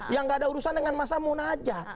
yang gak ada urusan dengan masa munajat